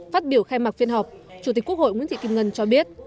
phát biểu khai mạc phiên họp chủ tịch quốc hội nguyễn thị kim ngân cho biết